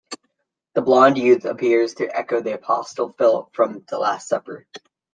The blonde youth appears to echo the apostle Philip from "The Last Supper".